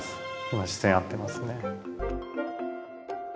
今視線合ってますね。